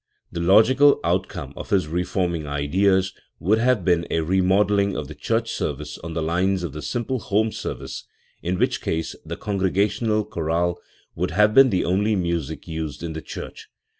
The logical outcome of bis reforming ideas would have been a remodelling of the church service on the lines of the simple home service, in which case the congregational chorale would have been the only music used in the church.